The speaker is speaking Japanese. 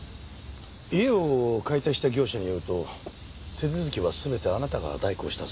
家を解体した業者によると手続きは全てあなたが代行したそうですね。